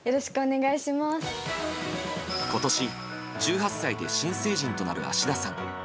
今年、１８歳で新成人となる芦田さん。